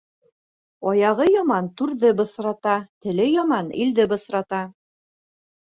Аяғы яман түрҙе бысрата, теле яман илде бысрата.